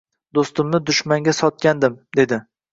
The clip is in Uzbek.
«Do’stimni dushmanga sotgandim…- dedi, —